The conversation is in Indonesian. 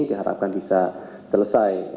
diharapkan bisa selesai